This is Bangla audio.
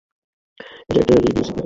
এটা একটা রেডিও সিগন্যাল।